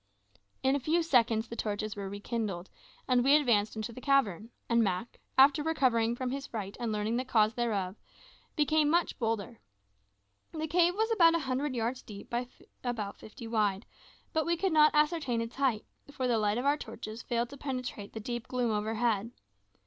In a few seconds the torches were rekindled, and we advanced into the cavern; and Mak, after recovering from his fright and learning the cause thereof, became much bolder. The cave was about a hundred yards deep by about fifty wide; but we could not ascertain its height, for the light of our torches failed to penetrate the deep gloom overhead.